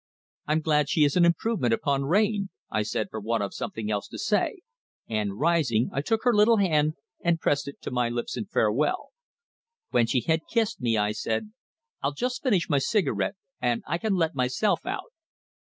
"I'm glad she is an improvement upon Rayne," I said, for want of something else to say, and, rising, I took her little hand and pressed it to my lips in farewell. When she had kissed me I said: "I'll just finish my cigarette, and I can let myself out."